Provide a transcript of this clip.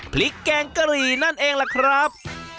แกงกะหรี่นั่นเองล่ะครับ